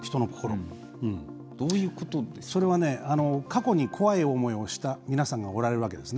それは、過去に怖い思いをした皆さんがおられるわけです。